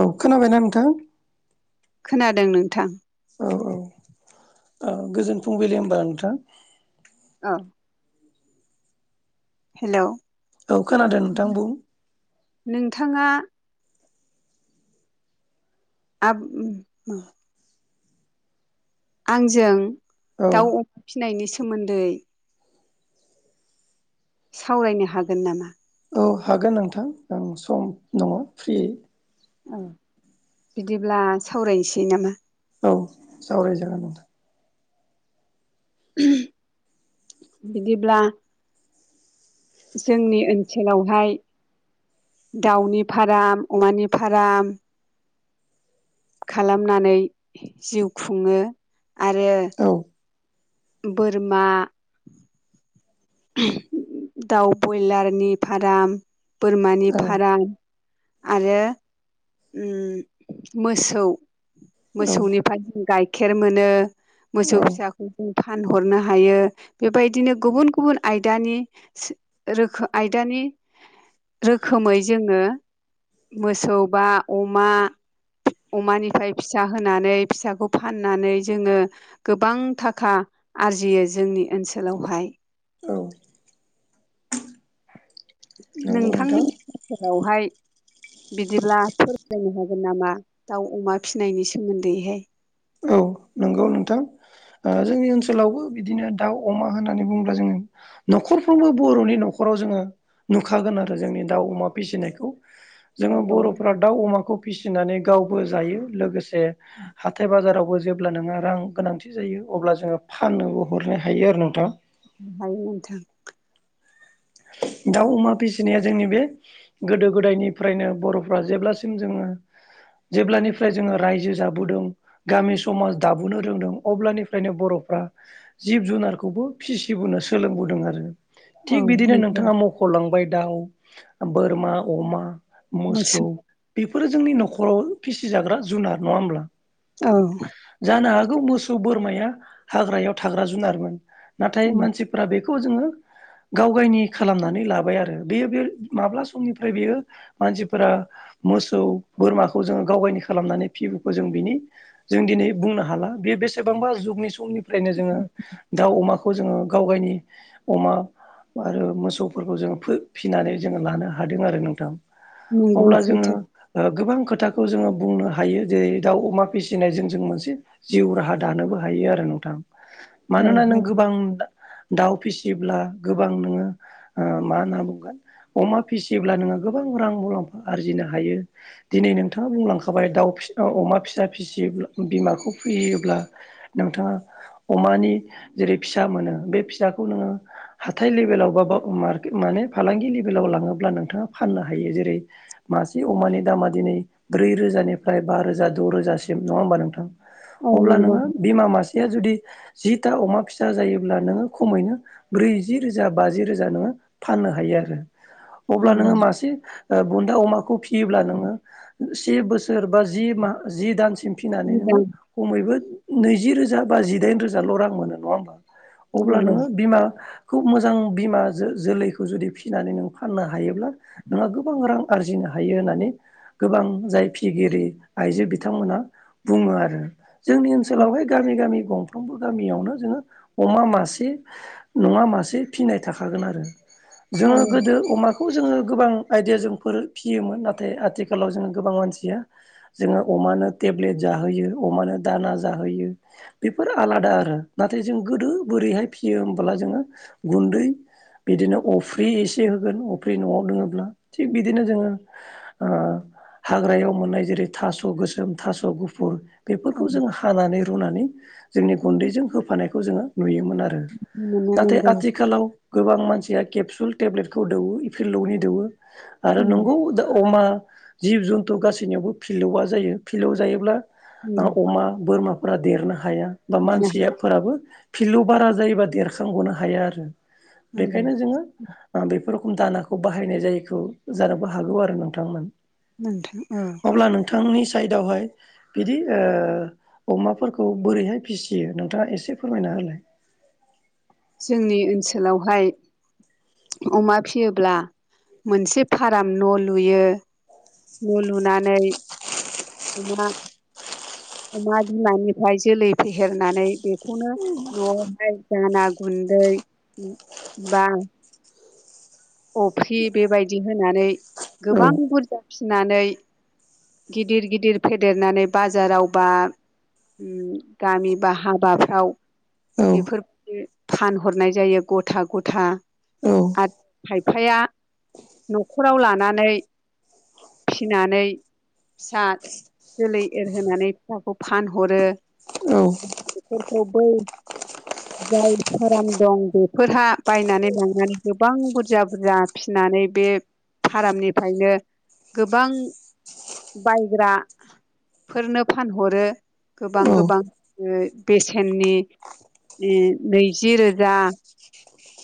औ खोनाबायना नोंथां? खोनादों नोंथां। औ औ औ गोजोन फुंबिलि होमबा नोंथां। औ। हेलौ? औ खोनादों नोंथां बुं। नोंथाङा [inaudible] आंजों औ दाउ अमा फिसिनायनि सोमोन्दै सावरायनो हागोन नामा? औ हागोन नोंथां आं सम दङ फ्रि। औ बिदिब्ला सावरायनोसै नामा? औ सावरायजागोन नोंथां। [unintelligible] बिदिब्ला जोंनि ओनसोलावहाय दाउनि फाराम अमानि फाराम खालामनानै जिउ खुङो आरो औ बोरमा दाउ बयलारनि फार्म बोरमानि औ फार्म। आरो उम मोसौ औ मोसौनिफ्राय जों गाइखेर मोनो। औ मोसौ फिसाखौ जों फानहरनो हायो बेबायदिनो गुबुन गुबुन आयदानि सो रोखो आयदानि रोखोमै जोङो मोसौ बा अमा अमानिफ्राय फिसा होनानै फिसाखौ फाननानै जोङो गोबां थाखा आरजियो जोंनि ओनसोलावहाय औ। नंगौ नोंथांनि नोंथां [unintelligible] फोरावहाय बिदिब्ला फोरमायनो हागोन नामा? दाउ अमा फिसिनायनि सोमोन्दैहाय। औ नंगौ नोंथां। ओ जोंनि ओनसोलावबो बिदिनो दाउ अमा होननानै बुङोब्ला जोङो न'खरफ्रोमबो बर'नि न'खराव जोङो नुखागोन आरो जोंनि दाउ अमा फिसिनायखौ। औ जोङो औ बर'फ्रा दाउ अमाखौ फिसिनानै गावबो जायो लोगोसे हाथथाय बाजारावबो जेब्ला नोंहा रां गोनांथि जायो अब्ला जोङो फाननोबो हरनो हायो आरो नोंथां। हायो नोंथां। दाउ अमा फिसिनाया जोंनि बे गोदो गोदायनिफ्रायनो बर'फ्रा जेब्लासिम जोङो जेब्लानिफ्राय जोङो रायजो जाबोदों। गामि समाज दाबोनो रोंदों अब्लानिफ्रायनो बर'फ्रा जिब जुनारखौबो फिसिबोनो सोलोंबोदों आरो। औ थिग बिदिनो नंगौ नोंथाङा मख'लांबाय दाउ बोरमा अमा मोसौ बेफोरो जोंनि न'खराव फिसिजाग्रा जुनार नङा होमब्ला। औ जानो हागौ मोसौ बोरमाया हाग्रायाव थाग्रा जुनारमोन नाथाय उम मानसि फोरा बेखौ जोङो गावगावनि खालामनानै लाबाय आरो बेयो बे माब्ला समनिफ्राय बेयो मानसिफोरा मोसौ बोरमाखौ जोङो गावनो खालामनानै फिबोखौ जों बिनि जों दिनै बुंनो हाला बे बेसेबांबा जुगनि समनि ओमफ्रायनो जोङो दाउ अमाखौ जोङो गाव गावनि अमा आरो मोसौफोरखौ जोङो फिनानै जोङो लानो हादों आरो नोंथां। नंगौ अब्ला जोङो सैथो ओ गोबां खोथाखौ जोङो बुंनो हायो जेरै दाउ अमा फिसिनायजों जों मोनसे जिउ राहा दानोबो हायो आरो नोंथां। औ मानोना नों गोबां दाउ फिसियोब्ला गोबां नोङो ओ मा होनना बुंगोन अमा फिसियोब्ला नोङो गोबां रां मुलाम्फा आरजिनो हायो। दिनै नोंथाङा बुंलांखाबाय दाउ अमा फिसा फिसियोब्ला बिमाखौ फियोब्ला नोंथाङा अमानि जेरै फिसा मोनो बे फिसाखौ नोङो हाथाय लेभेलाव बाबाक माने फालांगि लेभेलाव लाङोब्ला नोंथाङा फाननो हायो जेरै मासे अमानि दामा दिनै ब्रै रोजानिफ्राय बा रोजा द' रोजासिम नङा होमबा नोंथां? औ अब्ला नंगौ नोङो बिमा मासेया जुदि जिथा अमा फिसा जायोब्ला नोङो खमैनो ब्रै जि रोजा बाजि रोजा नोङो फाननो हायो आरो अब्ला नंगौ नोङो मासे बुन्दा अमाखौ फियोब्ला नोङो से बोसोर बा जि माह जि दानसिम फिनानै नोङो मोजां खमैबो नैजि रोजा बा जिदाइन रोजाल' रां मोनो नङा होमबा। अब्ला नंगौ नोङो बिमाखौ मोजां बिमा जो जोलैखौ जुदि फिसिनानै नों फाननो हायोब्ला नोंहा गोबां रां आरजिनो हायो होननानै गोबां जाय फिगिरि आइजो बिथांमोनहा बुङो आरो। जोंनि ओनसोलावहाय गामि गामि गं गंफ्रोमबो गामियावनो जोङो अमा मासे नङा मा मोनसे फिनाय थाखागोन आरो जोङो खायो गोदो अमा खौ जोङो गोबां आइदिया जों फोर फियोमोन नाथाय आथिखालाव जोङो गोबां मानसिया जोङो अमानो टेब्लेट जाहोयो अमानो दाना जाहोयो बेफोरो आलादा आरो नाथाय जों गोदो बोरैहाय फिसियो होमबोला जोङो गुन्दै बिदिनो अफ्रि एसे होगोन अफ्रि न'आव दोङोब्ला थिग बिदिनो जोङो ओ हाग्रायाव मोननाय जेरै थास' गोसोम थास' गुफुर बेफोरखौ जों हानानै रुनानै जोंनि गुन्दैजों होफानायखौ जोङो नुयोमोन आरो। मोना नाथाय नांगौ आथि आथिखालाव गोबां मानसिया केपसुल टेब्लेटखौ दौवो इफिलौनि दौवो आरो नोंगौ दा अमा जिब जुन्थु गासैनियावबो फिलौआ जायो फिलौआ जायोब्ला नंगौ ओ अमा बोरमा फोर देरनो हाया बा मानसिफोराबो फिलौआव बारा जायोबा देरखांबोननो हाया आरो। नांगौ बेखायनो जोङो आ बेफोर रखम दानाखौ बाहायनाय जायैखौ जानोबो हागौ आरो नोंथां नों नोंथां औ अब्ला नोंथांनि साइडावहाय बिदि ओ अमाफोरखौ बोरैहाय फिसियो नोंथाङा एसे फोरमायना होलाय। जोंनि ओनसोलावहाय अमा फियोब्ला मोनसे फाराम न' लुयो। न' लुनानै अमा अमा बिमानिफ्राय जोलै फेहेरनानै बेखौनो न'आवहाय दाना गुन्दै बा अफ्रि बेबायदि होनानै औ गोबां बुरजा फिसिनानै गिदिर गिदिर फेदेरनानै बाजाराव बा उम गामि बा हाबाफ्राव औ बेफोर दि फानहरनाय जायो ग'था ग'था। औ आरो खायफाया न'खराव लानानै [inaudible] फिनानै फिसा जोलै एरहोनानै फिसाखौ फानहरो। औ बेफोरखौ बै जाय फाराम दं बेफोरहा बायनानै लांनानै गोबां बुरजा बुरजा फिनानै बे फारामनिफ्रायनो गोबां बायग्रा फोरनो फानहरो गोबां गोबां बेसेननि। ए नैजि रोजा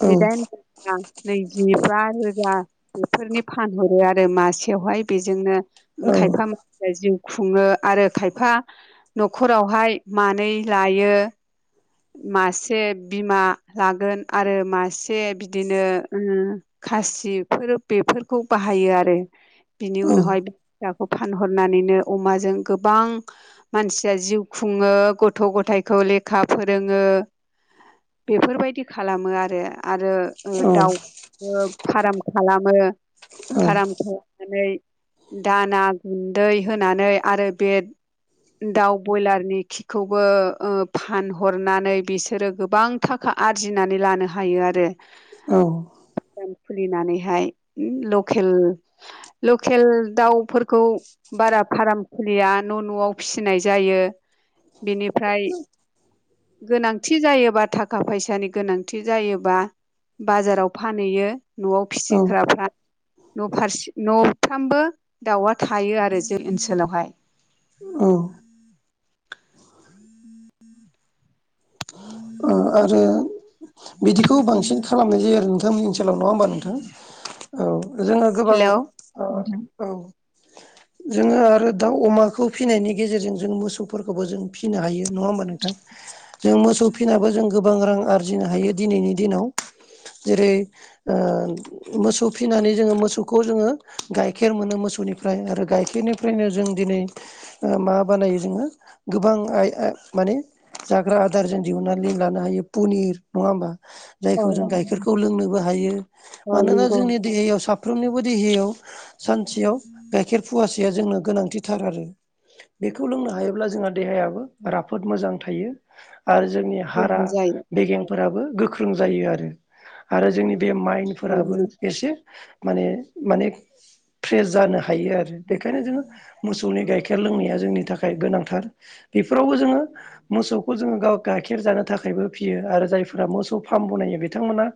जिदाइन रोजा नैजिबा रोजा। बेफोरनि फानहरो आरो मासेयावहाय बेजोंनो खायफा मानसिया जिउ खुङो आरो खायफा नखरावहाय मानै लायो। मासे बिमा लागोन आरो मासे बिदिनो ओ खासिफोर बेफोरखौ बाहायो आरो। बिनि उनावहाय औ-औ-औ-औ-औ-औ-औ-औ दा दाउखौ फानहरनानैनो अमाजों गोबां मानसिया जिउ खुङो गथ' गथाइखौ लेखा फोरोङो बेफोरबायदि खालामो आरो। आरो दाउ ओ फाराम खालामो। फराम खालामनानै दाना गुन्दै होनानै आरो बे दाउ बयलारनि खिखौबो ओ फा फानहरनानै बिसोरो गोबां थाखा आरजिनानै लानो हायो आरो। औ। दखान खुलिनानैहाय लकेल लखेल दाउफोरखौ बारा फाराम खुलिया न' न'आव फिसिनाय जायो बिनिफ्राय गोनांथि जायोबा थाखा फैसानि गोनांथि जायोबा बाजाराव फानैयो। न'आव फिसिग्राफ्रा नफारसि नफ्रामबो दाउआ थायो आरो जो ओनसोलावहाय। ओ आरो बिदिखौ बांसिन खालामनाय जायो आरो नोंथांमोननि ओनसोलाव नङा होमबा नोंथां? औ जोङो गोबां ओ हेलौ औ। जोङो आरो दाउ अमाखौ फिनायनि गेजेरजों जों मोसौ फोरखौबो जों फिनो हायो नङा होमबा नोंथां जों मोसौ फिनाबो जों गोबां रां आरजिनो हायो दिनैनि दिनाव जेरै ओ मोसौ फिनानै जोङो मोसौखौ जोङो गाइखेर मोनो मोसौनिफ्राय आरो गाइखेरनि फ्रायनो जों दिनै ओ मा बानायो जोङो गोबां आइ आ माने जाग्रा आदार जों दिहुनना नै लानो हायो पुनिर नङा होमबा? औ जायखौ जों गाइखेरखौ लोंनोबो हायो मानोना नंगौ जोंनि देहायाव साफ फ्रोमनिबो देहायाव सानसेयाव गाइखेर फुवासेया जोंनो गोनांथिथार आरो। बेखौ लोंनो हायोब्ला जोंहा देहायाबो राफोद मोजां थायो आरो जोंनि हारा गोहो जायो बेेगें फोराबो गोख्रों जायो आरो आरो जोंनि बे औ माइन्दफोराबो एसे माने माने फ्रेस जानो हायो आरो बेखायनो जोङो मोसौनि गाइखेर लोंनाया जोंनि थाखाय गोनांथार। इफोरावबो जोङो मोसौखौ जोङो गाव गाइखेर जानो थाखायबो फियो आरो जायफोरा मोसौ फार्म बनायो बिथांमोना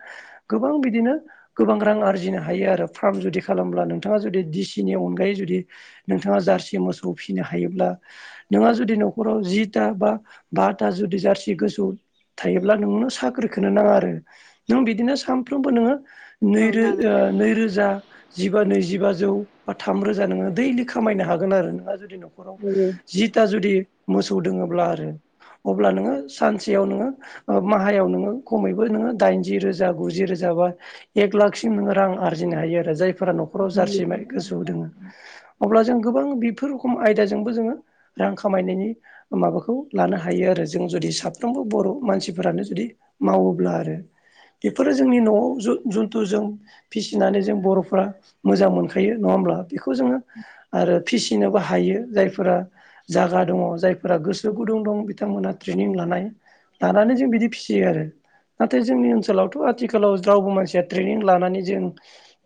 गोबां बिदिनो गोबां रां आरजिनो हायो आरो फार्म जुदि खालामब्ला नोंथाङा जुदि दिसिनि अनगायै जुदि नोंथाङा जार्सि मोसौ फिनो हायोब्ला। नोंहा जुदि न'खराव जिथा बा बाथा जुदि जारसि गोसौ थायोब्ला नोंनो साख्रिखोनो नाङा आरो नों बिदिनो सामफ्रोमबो नोङो औ नैरो नाङो ओ नैरोजा। जिबा नैजिबाजौ बा थाम रोजा नोङो दैलिग खामायनो हागोन आरो नोंहा जुदि अ दं जि था जुदि मोसौ दोङोब्ला आरो अब्ला नोङो सानस सेयाव नोङो माहायाव नोङो खमैबो नोङो दाइनजि रोजा गुजि रोजा बा एक लाखसिम नोङो रां आरजिनो हायो आरो जायफोरा न'खराव जारसि गोसोआव दोङो अब्ला जों गोबां बेफोर रखम आयदाजोंबो जोङो रां खामायनायनि माबाखौ लानो हायो आरो जों जुदि सा फ्रोमबो बर मानसिफ्रानो जुदि मावोब्ला आरो बेफोरो जोंनि न'आव जु जुन्थु जों फिसिनानै जों बर'फोरा मोजां मोनखायो नङा होमब्ला बेखौ जोङो आरो फिसिनोबो हायो जायफोरा जागा दङ जायफोरा गोसो गुदुं दं बिथांमोनहा ट्रेनिं लानाय लानानै जों बिदि फिसियो आरो नाथाय जोंनि ओनसोलावथ' आथिखालाव रावबो मानसिया ट्रेनिं लानानै जों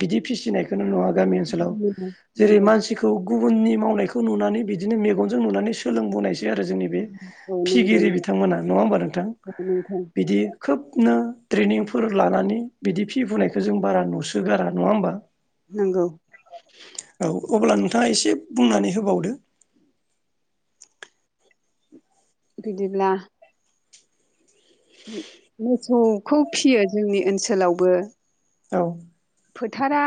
बिदि फिसिनाय खौनो नुया गामि ओनोलाव नंगौ जेरै मानसि खौ गुबुननि मावनायखौ नुनानै बिदिनो मेगनजों नुनानै सोलोंबोनायसै आरो जोंनि बि औ नंगौ फिगिरि बिथांमोना नङा होमबा नोंथां नोंथां बिदि खोबनो ट्रेनिंफोर लानानै बिदि फिफुनायखौ जों बारा नुसोगारा नङा होमबा? नंगौ औ अब्ला नोंथाङा एसे बुंनानै होबावदो बिदिब्ला मोसौखौ फियो जोंनि ओनसोलावबो औ फोथारा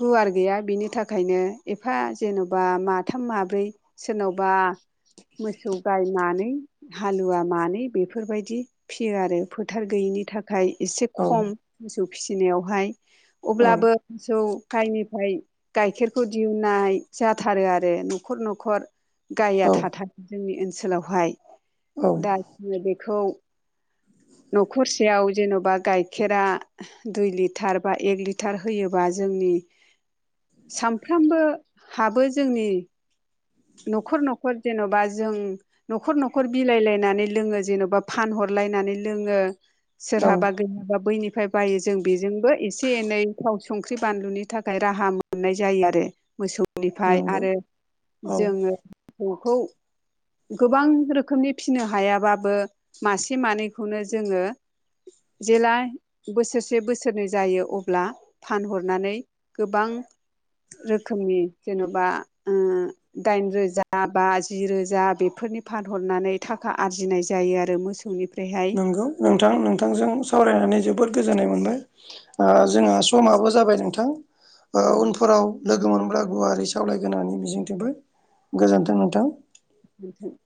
गुवार गैया बिनि थाखायनो एफा जेन'बा माथाम माब्रै सोरनावबा मोसौ गाय मानै हालुवा मानै बेफोरबायदि फियो आरो फोथार गैयिनि था खाय एसे औ खम मोसौ फिसिनायावहाय औ अब्लाबो मोसौ गायनिफ्राय गाइखेरखौ दिहुननाय जाथारो आरो न'खर न'खर गाइया औ थाथार जोंनि ओनसोलावहाय औ दा जोङो बेखौ न'खरसेयाव जेनबा गाइखेरा दुइ लिटार बा एक लिटार होयोबा जोंनि सामफ्रामबो हाबो जोंनि न'खर न'खर जेन'बा जों न'खर न'खर बिलायलायनानै लोङो जेन'बा फानहरलायनानै लोङो औ सोरहाबा गैयाबा बैनिफ्राय बायो जों बेजोंबो एसे एनै थाव संख्रि बानलुनि थाखाय राहा मोननाय जायो आरो मोसौ निफ्राय नंगौ आरो औ जोङो [inaudible] सौखौ गोबां रोखोमनि फिसिनो हायाबाबो मासे मानैखौनो जोङो जेला बोसोरसे बोसोरनै जायो अब्ला फानहरनानै गोबां रोखोमनि जेन'बा उम दाइन रोजा बा जि रोजा बेफोरनि फानहरनानै थाखा आरजिनाय जायो आरो मोसौ सौनिफ्राय हाय नंगौ नोंथां नोंथांजों सावरायनानै जोबोद गोजोननाय मोनबाय ओ जोंहा समाबो जाबाय नोंथां औ उनफोराव लोगो मोनोब्ला गुवारै सावलायगोनानै मिजिंथिंबो गोजोन्थों नोंथां गोन्थों